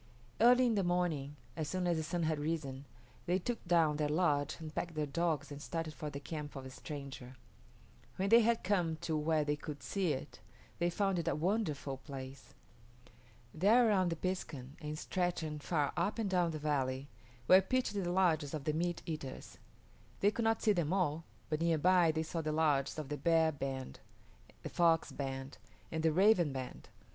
Early in the morning, as soon as the sun had risen, they took down their lodge and packed their dogs and started for the camp of the stranger. When they had come to where they could see it, they found it a wonderful place. There around the piskun, and stretching far up and down the valley, were pitched the lodges of the meat eaters. They could not see them all, but near by they saw the lodges of the Bear band, the Fox band, and the Raven band.